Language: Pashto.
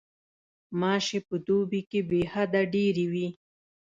غوماشې په دوبي کې بېحده ډېرې وي.